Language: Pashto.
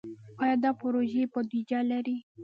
آیا دا پروژې بودیجه لري؟